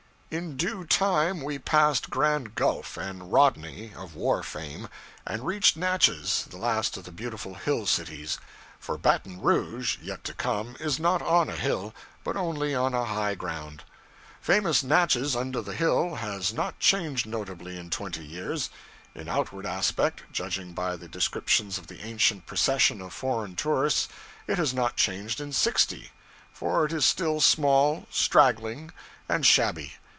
In due time we passed Grand Gulf and Rodney, of war fame, and reached Natchez, the last of the beautiful hill cities for Baton Rouge, yet to come, is not on a hill, but only on high ground. Famous Natchez under the hill has not changed notably in twenty years; in outward aspect judging by the descriptions of the ancient procession of foreign tourists it has not changed in sixty; for it is still small, straggling, and shabby.